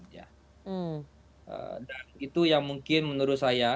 ya dan itu yang mungkin menurut saya